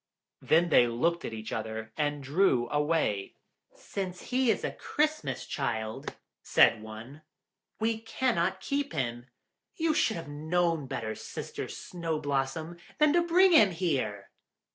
Then they looked at each other, and drew away. "Since he is a Christmas Child," said one, "we cannot keep him. You should have known better, Sister Snow blossom, than to bring him here!"